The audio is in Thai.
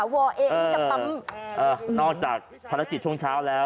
อ่ะนอกจากพันธศจิตช่วงเช้าแล้ว